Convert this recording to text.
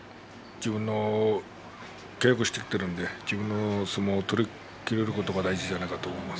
自分の稽古をしてきているので自分の相撲を取りきることが大事じゃないかと思います。